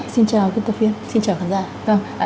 xin chào quý khán giả